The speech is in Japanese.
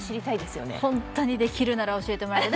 本当にできるなら教えてもらいたい。